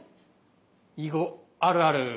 「囲碁あるある」。